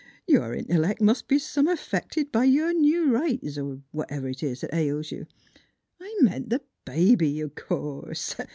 " Your intellec' mus' be some affected b' your new rights er whatever 'tis 'at ails you. I meant th' baby, o' course